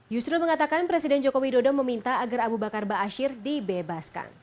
yusril mengatakan presiden jokowi dodo meminta agar abu bakar ba'asyir dibebaskan